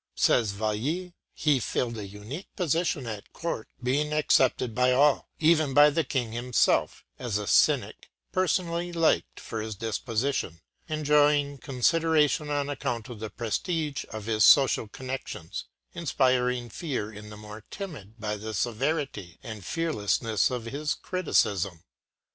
Says Vallee: “He filled a unique position at Court, being accepted by all, even by the King himself, as a cynic, personally liked for his disposition, enjoying consideration on account of the prestige of his social connections, inspiring fear in the more timid by the severity and fearlessness of his criticism.